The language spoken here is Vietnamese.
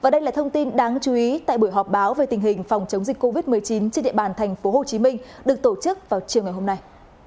đây là thông tin đáng chú ý tại buổi họp báo về tình hình phòng chống dịch covid một mươi chín trên địa bàn tp hcm được tổ chức vào chiều ngày hôm nay